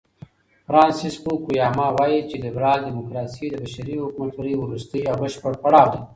فرانسیس فوکویاما وایي چې لیبرال دیموکراسي د بشري حکومتولۍ وروستی او بشپړ پړاو دی.